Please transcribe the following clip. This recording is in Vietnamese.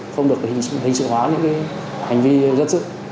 không được hình sự hóa những hành vi dân sự